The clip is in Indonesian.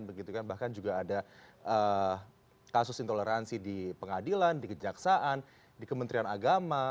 begitu kan bahkan juga ada kasus intoleransi di pengadilan di kejaksaan di kementerian agama